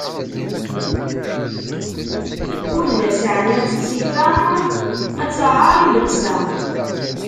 Ur d as-ɛniɣ ssifa, ad taɛer i lebsa.